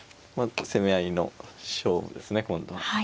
まあ攻め合いの勝負ですね今度は。